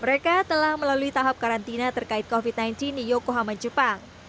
mereka telah melalui tahap karantina terkait covid sembilan belas di yokohama jepang